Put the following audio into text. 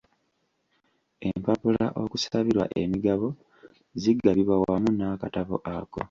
Empapula okusabirwa emigabo zigabibwa wamu n'akatabo ako.